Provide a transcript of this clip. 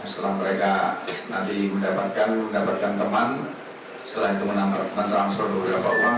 setelah mereka nanti mendapatkan teman setelah itu menangkan transpori berapa uang